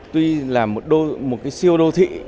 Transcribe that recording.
tuy là một cái siêu đô thị